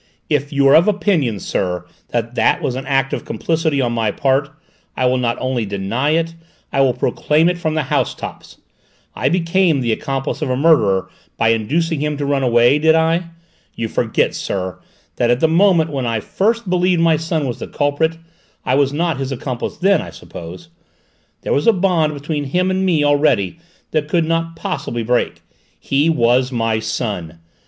"If you are of opinion, sir, that that was an act of complicity on my part, I will not only not deny it, I will proclaim it from the housetops! I became the accomplice of a murderer by inducing him to run away, did I? You forget, sir, that at the moment when I first believed my son was the culprit I was not his accomplice then, I suppose? there was a bond between him and me already that I could not possibly break: he was my son!